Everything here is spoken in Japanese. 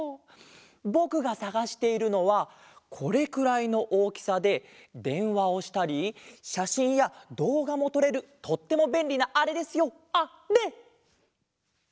ぼくがさがしているのはこれくらいのおおきさででんわをしたりしゃしんやどうがもとれるとってもべんりなあれですよあれ！